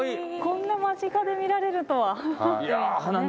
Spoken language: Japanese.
こんな間近で見られるとは。